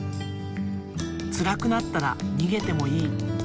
つらくなったらにげてもいい。